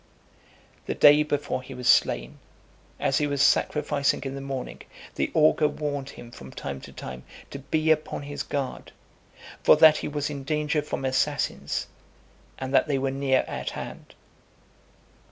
XIX. The day before he was slain, as he was sacrificing in the morning, the augur warned him from time to time to be upon his guard, for that he was in danger from assassins, and that they were near at hand.